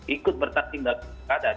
ikut bertanding di perumahan